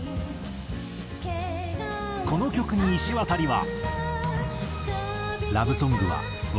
この曲にいしわたりは。